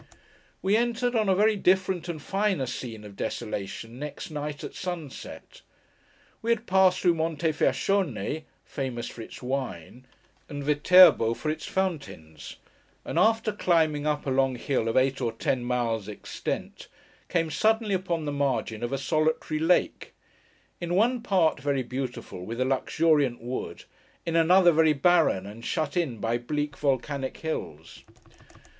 We entered on a very different, and a finer scene of desolation, next night, at sunset. We had passed through Montefiaschone (famous for its wine) and Viterbo (for its fountains): and after climbing up a long hill of eight or ten miles' extent, came suddenly upon the margin of a solitary lake: in one part very beautiful, with a luxuriant wood; in another, very barren, and shut in by bleak volcanic hills.